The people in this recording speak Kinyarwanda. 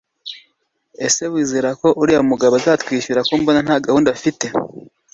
Mbese wizerako uriya mugabo azatwishyura ko mbona ntagahunda afite